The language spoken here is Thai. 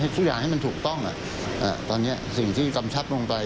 ทุกอย่างให้มันถูกต้องตอนนี้สิ่งที่กำชับลงไป